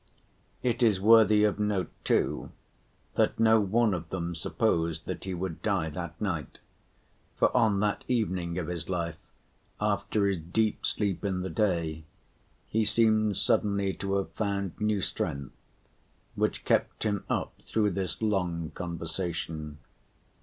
It is worthy of note, too, that no one of them supposed that he would die that night, for on that evening of his life after his deep sleep in the day he seemed suddenly to have found new strength, which kept him up through this long conversation.